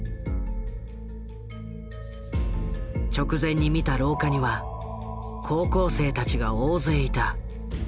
直前に見た廊下には高校生たちが大勢いた。